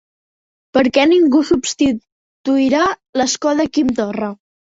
Per què ningú substituirà l'escó de Quim Torra?